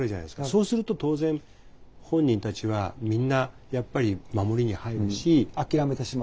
そうすると当然本人たちはみんなやっぱり守りに入るし。